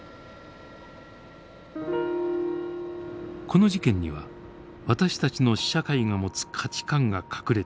この事件には私たちの社会が持つ価値観が隠れているのではないか。